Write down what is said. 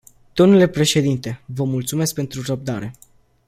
Dle președinte, vă mulțumesc pentru răbdare.